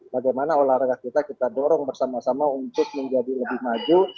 bagaimana olahraga kita kita dorong bersama sama untuk menjadi lebih maju